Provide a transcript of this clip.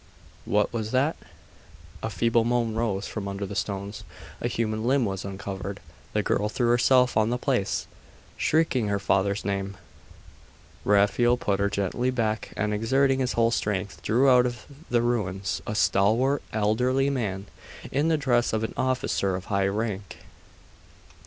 What was that?' A feeble moan rose from under the stones. A human limb was uncovered. The girl threw herself on the place, shrieking her father's name. Raphael put her gently back and exerting his whole strength, drew out of the ruins a stalwart elderly man, in the dress of an officer of high rank.